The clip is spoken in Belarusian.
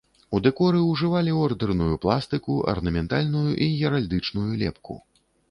У дэкоры ўжывалі ордэрную пластыку, арнаментальную і геральдычную лепку.